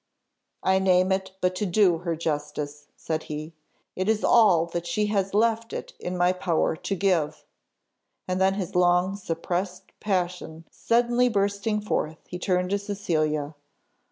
"I name it but to do her justice," said he. "It is all that she has left it in my power to give;" and then his long suppressed passion suddenly bursting forth, he turned to Cecilia.